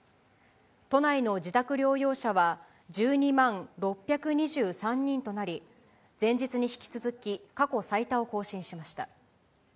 都内の自宅療養者は１２万６２３人となり、前日に引き続き、過去最多を更新しました。